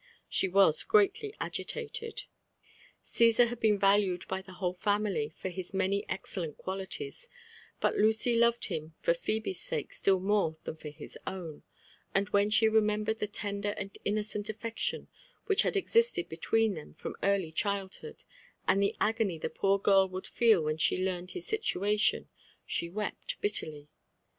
She was greatly agitated. Caesar had been valued by the whole fa«* mily for his many excellent qualities ; but Lucy loved him for Phebe's sake still more than for his own ; and when she remembered the tender and innocent affection which had existed between them from early childhood, and the agony the poor girl would feel wheo she learned his situation, she wept bitterly.